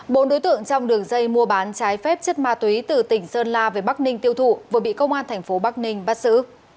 bốn đối tượng trong đường dây mua bán trái phép chất ma túy từ tỉnh sơn la về bắc ninh tiêu thụ vừa bị công an thành phố bắc ninh bắt xử